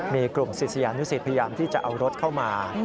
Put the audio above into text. มีกลุ่มศิษยานุสิตพยายามที่จะเอารถเข้ามา